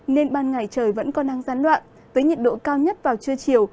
nên ban ngày trời vẫn có năng gián đoạn với nhiệt độ cao nhất vào trưa chiều